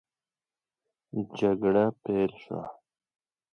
جګړه پیل سوه.